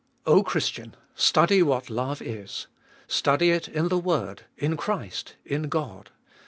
O Christian ! study what love is. Study it in the word, in Christ, in God.